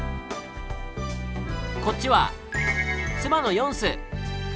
こっちは妻のヨンス。